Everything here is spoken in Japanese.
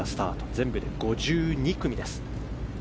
全部で５２組です。